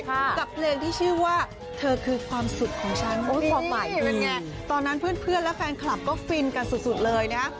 กับเพลงที่ชื่อว่าเธอคือความสุขของฉันโอ้ยความใหม่นั่นไงตอนนั้นเพื่อนและแฟนคลับก็ฟินกันสุดเลยนะฮะ